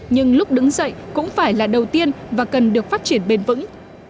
nhưng lúc đứng dậy cũng phải là đầu tiên và cần được phát triển bền vững